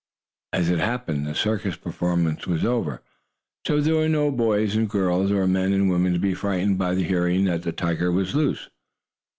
As it happened, the circus performance was over, so there were no boys or girls, or men and women, to be frightened by hearing that the tiger was loose.